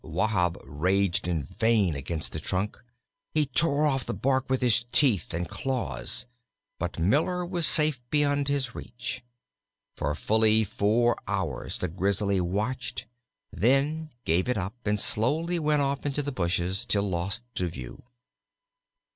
Wahb raged in vain against the trunk. He tore off the bark with his teeth and claws; but Miller was safe beyond his reach. For fully four hours the Grizzly watched, then gave it up, and slowly went off into the bushes till lost to view.